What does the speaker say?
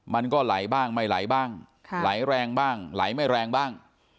มันก็ไหลบ้างไม่ไหลบ้างไหลแรงบ้างไหลไม่แรงบ้าง